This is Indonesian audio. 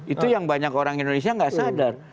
itu yang banyak orang indonesia nggak sadar